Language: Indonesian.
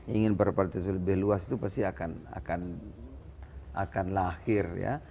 ingin berpartisi lebih luas itu pasti akan lahir ya